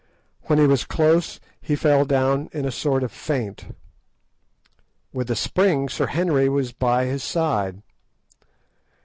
When he was close he fell down in a sort of faint. With a spring Sir Henry was by his side.